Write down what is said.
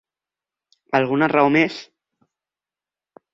Alguna raó més?